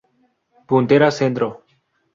Puntarenas centro.